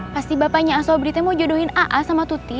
pasti bapaknya asobri mau jodohin aa sama tuti